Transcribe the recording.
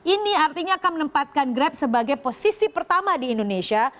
ini artinya akan menempatkan grab sebagai posisi pertama di indonesia